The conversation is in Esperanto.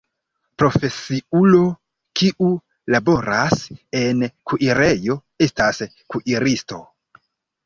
Profesiulo kiu laboras en kuirejo estas kuiristo.